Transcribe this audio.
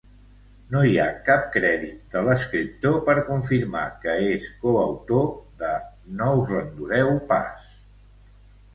No hi ha cap crèdit de l'escriptor per confirmar que és coautor de "No us l'endureu pas".